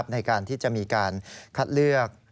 ในการที่จะมีการคัดเลือก